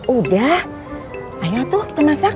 udah ayo tuh kita masak